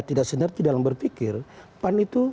tidak sinergi dalam berpikir pan itu